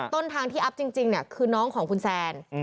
ต้นทางที่อัพจริงคือน้องของคุณแซน